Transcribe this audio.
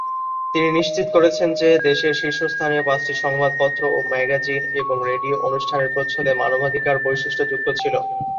তিনি নিশ্চিত করেছেন যে দেশের শীর্ষস্থানীয় পাঁচটি সংবাদপত্র ও ম্যাগাজিন এবং রেডিও অনুষ্ঠানের প্রচ্ছদে মানবাধিকার বৈশিষ্ট্যযুক্ত ছিল।